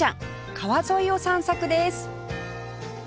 川沿いを散策です